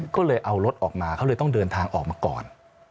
ก็เลยเอารถออกมาเขาเลยต้องเดินทางออกมาก่อน